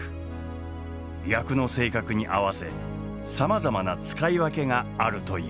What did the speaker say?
役の性格に合わせさまざまな使い分けがあるという。